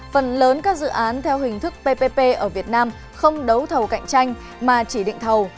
phần lớn các dự án theo hình thức ppp ở việt nam không đấu thầu cạnh tranh mà chỉ định thầu